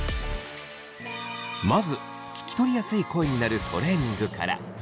まず聞き取りやすい声になるトレーニングから。